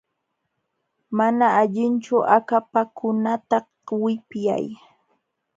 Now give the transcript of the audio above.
Mana allinchu akapakunata wipyay.